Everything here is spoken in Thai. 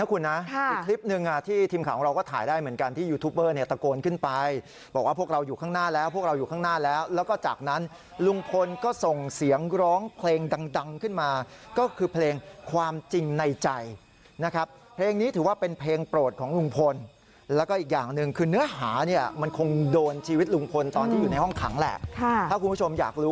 ฟังเพลงที่ลุงพลเสียงดังออกมาไปฟังเพลงที่ลุงพลเสียงดังออกมาไปฟังเพลงที่ลุงพลเสียงดังออกมาไปฟังเพลงที่ลุงพลเสียงดังออกมาไปฟังเพลงที่ลุงพลเสียงดังออกมาไปฟังเพลงที่ลุงพลเสียงดังออกมาไปฟังเพลงที่ลุงพลเสียงดังออกมาไปฟังเพลงที่ลุงพลเสียงดังออกมาไปฟังเพลงที่ลุงพ